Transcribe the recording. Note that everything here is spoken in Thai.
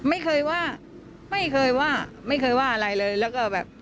ไม่เคยว่าไม่เคยว่าไม่เคยว่าอะไรเลยแล้วก็แบบ